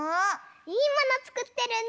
いいものつくってるの！